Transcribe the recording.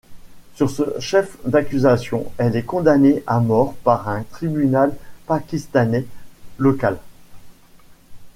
Sur ce chef d'accusation elle est condamnée à mort par un tribunal pakistanais local.